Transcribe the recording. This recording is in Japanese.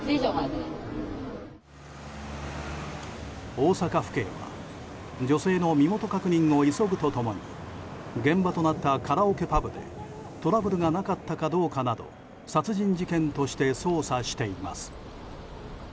大阪府警は女性の身元確認を急ぐと共に現場となったカラオケパブでトラブルがなかったかどうかなど殺人事件として捜査しています。